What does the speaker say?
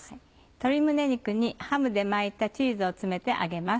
鶏胸肉にハムで巻いたチーズを詰めて揚げます。